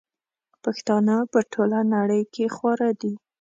پښتانه په ټوله نړئ کي خواره دي